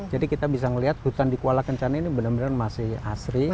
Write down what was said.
jadi kita bisa melihat hutan di kuala kencana ini benar benar masih asri masih terjaga